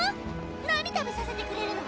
何食べさせてくれるの？